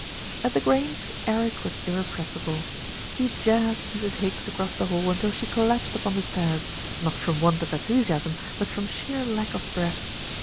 At The Grange, Eric was irrepressible. He "jazzed" Mrs. Higgs across the hall until she collapsed upon the stairs, not from want of enthusiasm; but from sheer lack of breath.